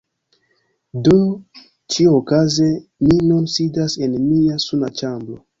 Do ĉiuokaze mi nun sidas en mia suna ĉambro.